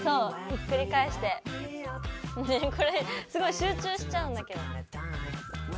ひっくり返してこれすごい集中しちゃうんだけどね。